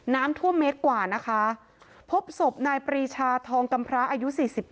น้ำท่วมเมตรกว่านะคะพบศพนายปรีชาทองกำพระอายุ๔๗